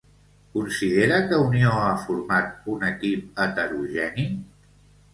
Considera que Unió ha format un equip heterogeni?